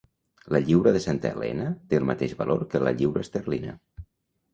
La lliura de Santa Helena té el mateix valor que la lliura esterlina.